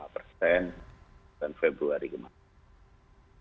pada februari kemarin